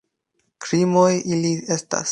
Krimoj ili estas!